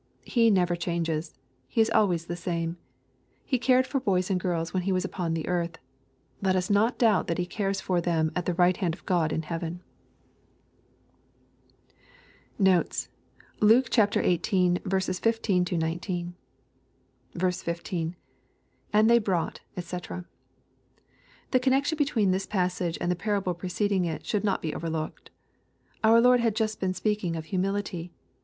He never changes. He is always the same. He cared for boys and girls when He was upon r earth. Let us not doubt that He cares for them at the right hand of God in heaven. Notes. Luke XVHI. 15—17. 15. — [And {hey hrotighi, <fec.] The connection between this passapfo and the parable preceding it should not be overlooked. Our Lord had just been speaking of humility.